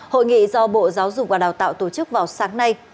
hội nghị do bộ giáo dục và đào tạo tổ chức vào sáng nay